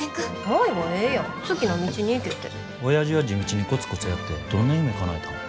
おやじは地道にコツコツやってどんな夢かなえたん。